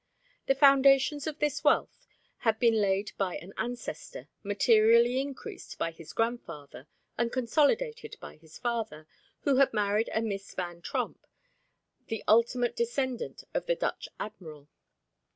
The foundations of this wealth had been laid by an ancestor, materially increased by his grandfather, and consolidated by his father, who had married a Miss Van Tromp, the ultimate descendant of the Dutch admiral.